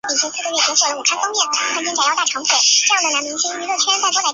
后任重庆市副市长。